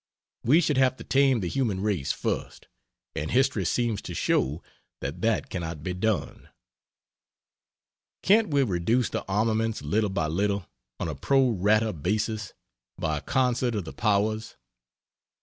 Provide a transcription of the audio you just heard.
We should have to tame the human race first, and history seems to show that that cannot be done. Can't we reduce the armaments little by little on a pro rata basis by concert of the powers?